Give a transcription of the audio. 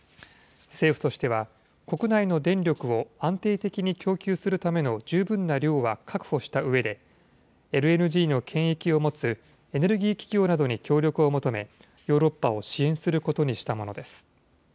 政府としては、国内の電力を安定的に供給するための十分な量は確保したうえで、ＬＮＧの権益を持つエネルギー企業などに協力を求め、ヨーロッパを支援することにしたものです。